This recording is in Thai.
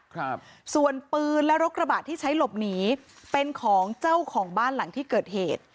ครับส่วนปืนและรถกระบะที่ใช้หลบหนีเป็นของเจ้าของบ้านหลังที่เกิดเหตุ